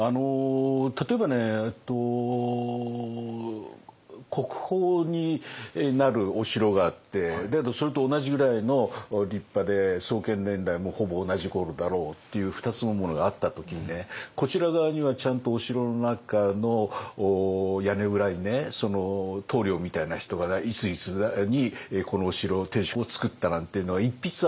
例えばね国宝になるお城があってそれと同じぐらいの立派で創建年代もほぼ同じ頃だろうっていう２つのものがあった時にねこちら側にはちゃんとお城の中の屋根裏に棟梁みたいな人がいついつにこのお城の天守を造ったなんていうのが一筆あればね